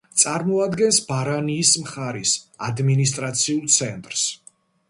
წარმოადგენს ბარანიის მხარის ადმინისტრაციულ ცენტრს.